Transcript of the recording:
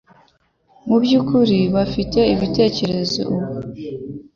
Mubyukuri bafite ikibazo ubu.